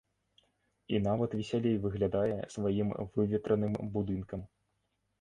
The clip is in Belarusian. І нават весялей выглядае сваім выветраным будынкам.